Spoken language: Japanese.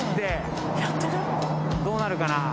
どうなるかな？